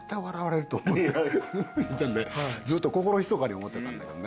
ずっと心ひそかに思ってたんだけどね。